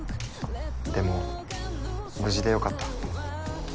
でも無事でよかった。